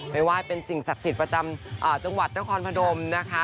ไหว้เป็นสิ่งศักดิ์สิทธิ์ประจำจังหวัดนครพนมนะคะ